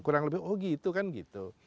kurang lebih oh gitu kan gitu